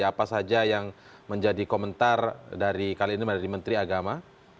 apa saja yang menjadi komentar dari kali ini dari menteri agama